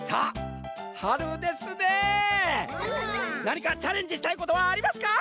なにかチャレンジしたいことはありますか？